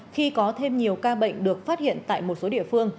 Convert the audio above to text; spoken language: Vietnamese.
khi có thêm nhiều ca bệnh được phát hiện tại một số địa phương